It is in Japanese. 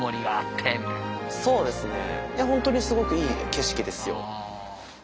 いや本当にすごくいい景色ですよ。